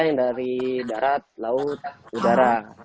yang dari darat laut udara